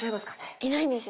いないんですよ